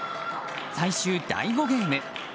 最終第５ゲーム。